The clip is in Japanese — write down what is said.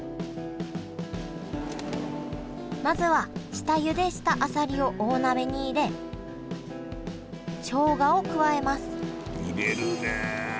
まずは下ゆでしたあさりを大鍋に入れしょうがを加えます入れるねえ。